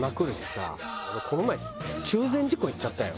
この前中禅寺湖行っちゃったよ。